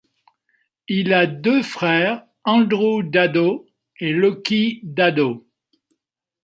Il a deux frères Andrew Daddo et Lochie Daddo.